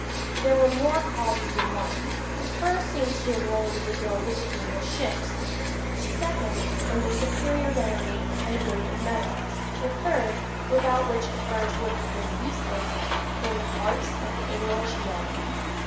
There were more causes than one: the first seems to have lain in the build of the English ships; the second in their superior gunnery and weight of metal; the third (without which the first would have been useless) in the hearts of the English men.